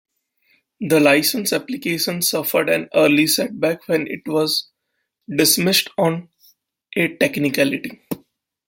The licence application suffered an early setback when it was dismissed on a technicality.